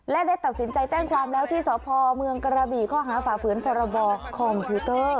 และได้ตัดสินใจแจ้งความแล้วที่สพเมืองกระบี่ข้อหาฝ่าฝืนพรบคอมพิวเตอร์